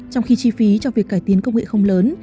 trong khi chi phí cho việc cải tiến công nghệ không lớn